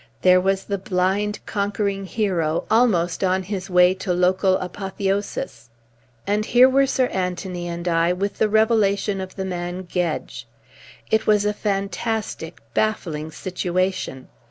There was the blind conquering hero almost on his way to local apotheosis. And here were Sir Anthony and I with the revelation of the man Gedge. It was a fantastic, baffling situation.